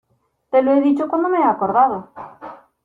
te lo he dicho cuando me he acordado.